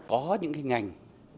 có những cái ngành